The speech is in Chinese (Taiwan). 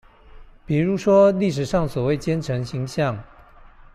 比如說歷史上所謂奸臣形象